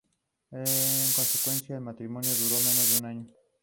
En consecuencia, el matrimonio duró menos de un año.